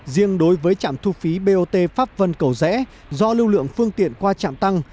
riêng đối với trạm thu phí bot pháp vân cầu rẽ do lưu lượng phương tiện qua trạm tăng